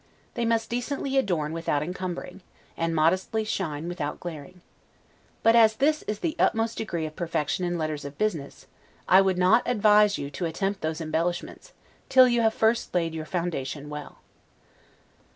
They must decently adorn without encumbering, and modestly shine without glaring. But as this is the utmost degree of perfection in letters of business, I would not advise you to attempt those embellishments, till you have first laid your foundation well.